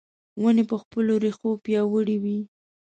ونې په خپلو رېښو پیاوړې وي .